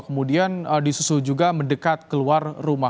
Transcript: kemudian disusul juga mendekat keluar rumah